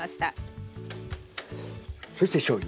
そしてしょうゆ。